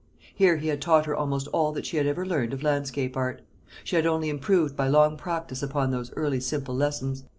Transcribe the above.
Here he had taught her almost all that she had ever learned of landscape art. She had only improved by long practice upon those early simple lessons.